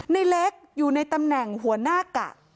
ในเล็กอยู่ในตำแหน่งหัวหน้ากะ